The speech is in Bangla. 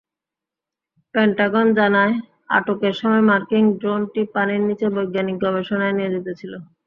পেন্টাগন জানায়, আটকের সময় মার্কিন ড্রোনটি পানির নিচে বৈজ্ঞানিক গবেষণায় নিয়োজিত ছিল।